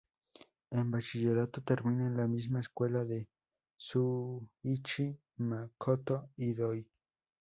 En bachillerato termina en la misma escuela que Shuuichi, Makoto y Doi.